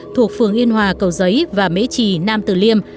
thuộc phường yên hòa cầu giấy và mễ trì nam tử liêm